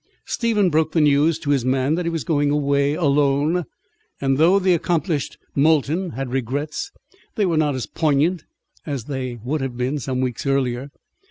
Stephen broke the news to his man that he was going away, alone, and though the accomplished Molton had regrets, they were not as poignant as they would have been some weeks earlier.